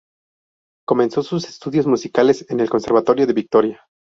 Comenzó sus estudios musicales en el Conservatorio de Vitoria.